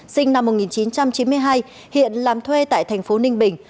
sinh năm một nghìn chín trăm chín mươi hai hiện làm thuê tại thành phố ninh bình